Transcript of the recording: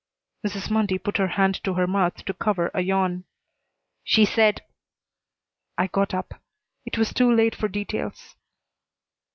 Mrs. Mundy put her hand to her mouth to cover a yawn. "She said " I got up. It was too late for details.